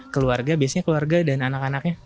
keluarga biasanya keluarga dan anak anaknya